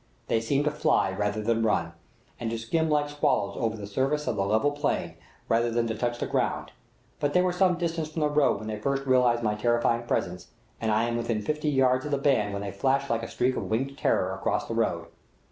They seem to fly rather than run, and to skim like swallows over the surface of the level plain rather than to touch the ground; but they were some distance from the road when they first realized my terrifying presence, and I am within fifty yards of the band when they flash like a streak of winged terror across the road.